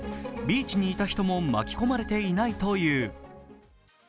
ビーチにいた人も巻き込まれていないという。